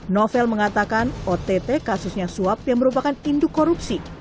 novel mengatakan ott kasusnya suap yang merupakan induk korupsi